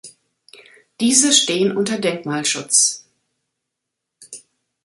Diese stehen unter Denkmalschutz.